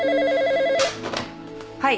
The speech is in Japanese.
はい。